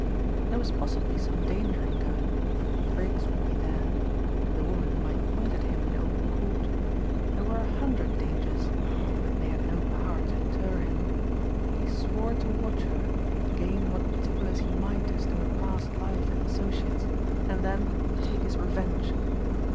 There was possibly some danger in going. Briggs would be there. The woman might point at him in open court. There were a hundred dangers, but they had no power to deter him. He swore to watch her, gain what particulars he might as to her past life and associates, and then take his revenge.